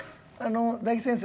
大吉先生